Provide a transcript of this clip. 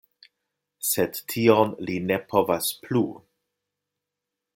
Sed tion li ne povas plu.